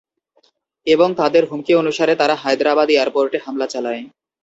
এবং তাদের হুমকি অনুসারে, তারা হায়দ্রাবাদ এয়াপোর্টে হামলা চালায়।